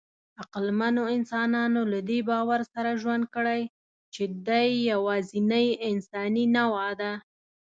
عقلمنو انسانانو له دې باور سره ژوند کړی، چې دی یواځینۍ انساني نوعه ده.